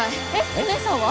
お姉さんは？